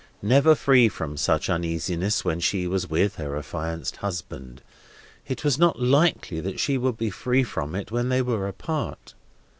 Never free from such uneasiness when she was with her affianced husband, it was not likely that she would be free from it when they were apart.